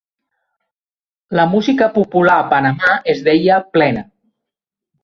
La música popular a Panamà es deia plena.